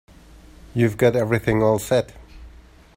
You've got everything all set?